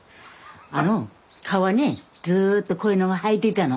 あの川にずっとこういうのが生えてたの。